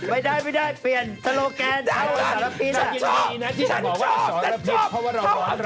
ไม่ได้ไม่ได้เปลี่ยน